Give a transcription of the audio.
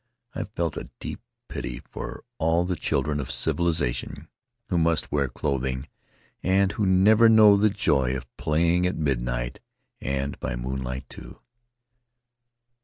I felt a deep pity for all the children of civilization who must wear clothing and who never know the joy of playing at midnight, and by moonlight too.